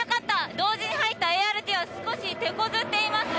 同時に入ったＡＲＴＡは少し手こずっています！